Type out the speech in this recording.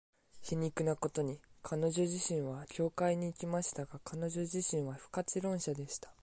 皮肉なことに、彼女自身は教会に行きましたが、彼女自身は不可知論者でした。